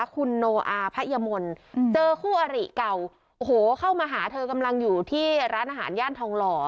คุณโนอาพยมนต์เจอคู่อริเก่าโอ้โหเข้ามาหาเธอกำลังอยู่ที่ร้านอาหารย่านทองหล่อ